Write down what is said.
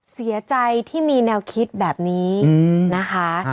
เสียใจที่มีแนวคิดแบบนี้นะคะ